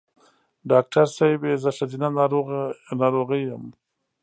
ډاکټر صېبې زه ښځېنه ناروغی یم